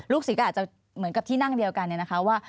ลูกศิษย์ก็แบบที่นั่งเดียวกันค่ะ